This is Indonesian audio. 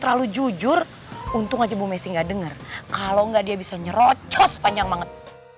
terlalu jujur untung aja bu messi nggak denger kalau enggak dia bisa nyerocos panjang banget